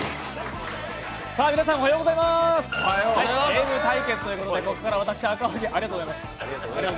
ゲーム対決ということで、ここから私ありがとうございます。